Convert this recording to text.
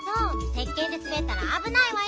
せっけんですべったらあぶないわよ。